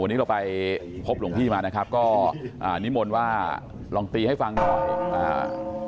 วันนี้เราไปพบหลวงพี่มานะครับก็อ่านิมนต์ว่าลองตีให้ฟังหน่อยอ่า